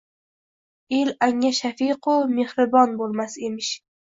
El anga shafiqu mehribon bo‘lmas emish.